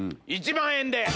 １万円で！